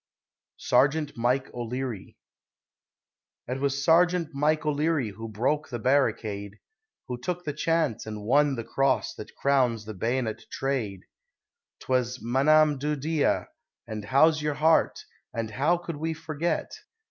SERGEANT MIKE O'LEARY It was Sergeant Mike O'Leary who broke the barricade, Who took the chance, and won the Cross that crowns the bayonet trade; 'Twas "M'anam do Dhia," and "How's your heart," and "How could we forget?"